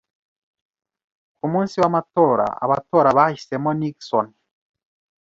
Ku munsi w’amatora, abatora bahisemo Nixon.